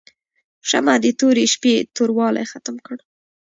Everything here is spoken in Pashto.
شمعه د تورې شپې توروالی ختم کړ.